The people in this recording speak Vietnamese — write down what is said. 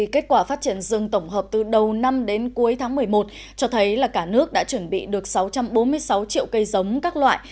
kết quả phát triển rừng tổng hợp từ đầu năm đến cuối tháng một mươi một cho thấy cả nước đã chuẩn bị được sáu trăm bốn mươi sáu triệu cây giống các loại